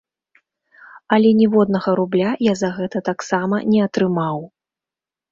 Але ніводнага рубля я за гэта таксама не атрымаў.